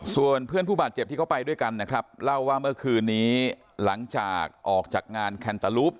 ส่วนเพื่อนผู้บาดเจ็บที่เขาไปด้วยกันนะครับเล่าว่าเมื่อคืนนี้หลังจากออกจากงานแคนเตอร์ลูป